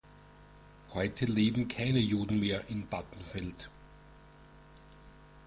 Heute leben keine Juden mehr in Battenfeld.